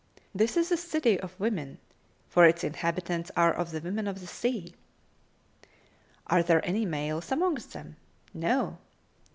"This is the city of women; for its inhabitants are of the women of the sea." "Are there any males among them?" "No!"